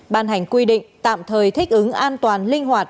ban hành quy định tạm thời thích ứng an toàn linh hoạt